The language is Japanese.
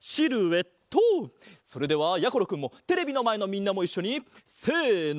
それではやころくんもテレビのまえのみんなもいっしょにせの。